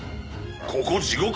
ここ地獄？